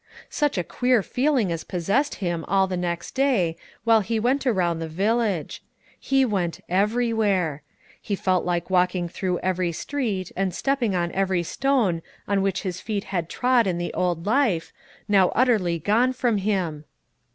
Such a queer feeling as possessed him all the next day, while he went around the village! He went _every_where. He felt like walking through every street, and stepping on every stone on which his feet had trod in the old life, now utterly gone from him.